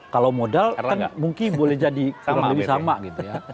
kalau modal kan mungkin boleh jadi sama gitu ya